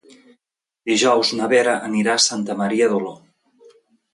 Dijous na Vera anirà a Santa Maria d'Oló.